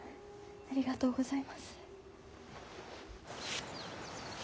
ありがとうございます。